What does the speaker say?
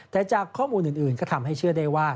แต่จากข้อมูลอื่นก็ทำให้เชื่อได้ว่า